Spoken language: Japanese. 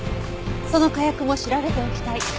その火薬も調べておきたい。